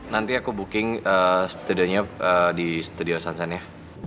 nanti aku booking studionya di studio sansan ya